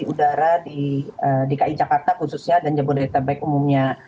polusi udara di dki jakarta khususnya dan jambon dari tabek umumnya